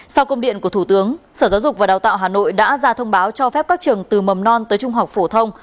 sau công điện của thủ tướng sở giáo dục và đào tạo hà nội đã ra thông báo cho phép các trường từ mầm non tới trung học phổ thông